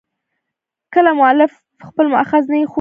کله مؤلف خپل مأخذ نه يي ښولى.